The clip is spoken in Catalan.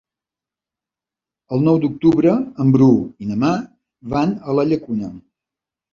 El nou d'octubre en Bru i na Mar van a la Llacuna.